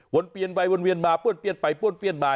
วนเบียนไปวนเบียนมาป้วนเบียนไปป้วนเบียนมา